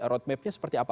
road map nya seperti apa